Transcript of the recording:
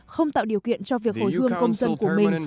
không tạo điều kiện cho việc hồi hương công dân của mình